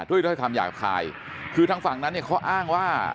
ด้วยก็ทำอย่างกับคลายคือทางฝั่งนั้นเขาอ้างว่า